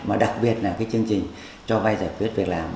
mà đặc biệt là chương trình cho vai giải quyết việc làm